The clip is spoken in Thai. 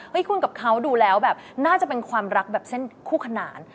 คุณกับเขาดูแล้วแบบน่าจะเป็นความรักแบบเส้นคู่ขนาน